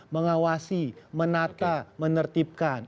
mengawasi menata menertibkan